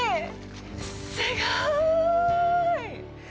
すごーい！！